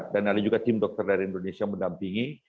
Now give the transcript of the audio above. dan ada juga tim dokter dari indonesia mendampingi